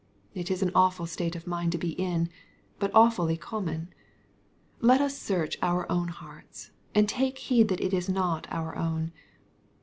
— It is an awful state of mind to be in^ but awfully common. Let us search our own hearts^ and take heed that it is not our own.